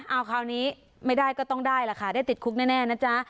เอาคราวนี้ไม่ได้ก็ต้องได้ล่ะค่ะได้ติดคุกแน่นะจ๊ะ